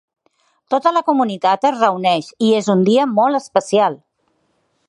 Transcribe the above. Tota la comunitat es reuneix i és un dia molt especial.